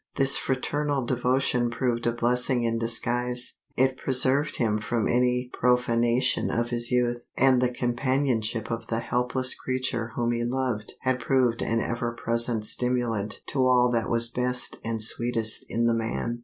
This fraternal devotion proved a blessing in disguise; it preserved him from any profanation of his youth, and the companionship of the helpless creature whom he loved had proved an ever present stimulant to all that was best and sweetest in the man.